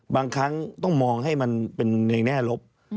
บางครั้งต้องมองให้มันเป็นในแง่ลบ